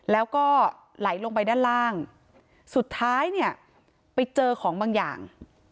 แล้วก็ไหลลงไปด้านล่างสุดท้ายเนี่ยไปเจอของบางอย่าง